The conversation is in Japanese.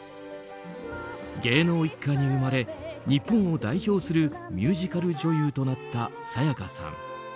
芸能一家に生まれ日本を代表するミュージカル女優となった沙也加さん。